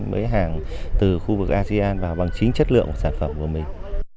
mới hàng từ khu vực asean vào bằng chính chất lượng sản phẩm của mình